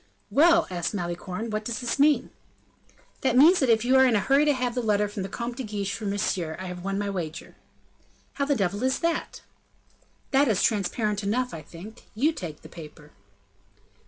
"Well!" asked Malicorne, "what does this mean?" "That means that if you are in a hurry to have the letter from the Comte de Guiche for Monsieur, I have won my wager." "How the devil is that?" "That is transparent enough, I think; you take that paper."